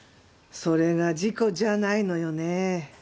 それが事故じゃないのよね。